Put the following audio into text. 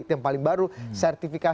tapi mereka bakal bertukar